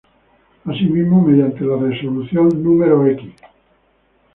Así mismo, mediante la resolución No.